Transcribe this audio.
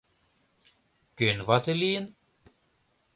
Кӧн вате лийын?